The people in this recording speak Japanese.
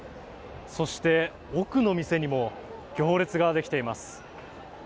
そして、奥の店にも行列ができています。